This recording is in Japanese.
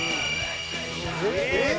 「えっ？」